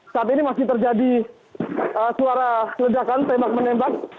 saat ini masih terjadi suara ledakan tembak menembak